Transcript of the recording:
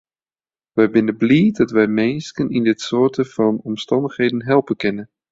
Wy binne bliid dat wy minsken yn dit soarte fan omstannichheden helpe kinne.